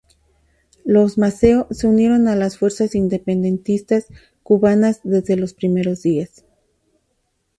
Los Maceo se unieron a las fuerzas independentistas cubanas desde los primeros días.